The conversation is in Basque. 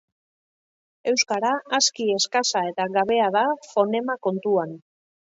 Euskara aski eskasa eta gabea da fonema kontuan.